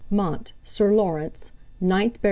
"Mont Sir Lawrence, 9th Bt.